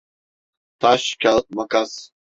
Taş, kağıt, makas!